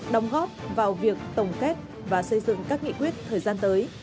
đóng góp vào việc tổng kết và xây dựng các nghị quyết thời gian tới